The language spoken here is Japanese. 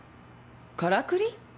からくり？